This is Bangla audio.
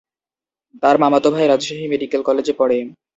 তার মামাতো ভাই রাজশাহী মেডিকেল কলেজে পড়ে।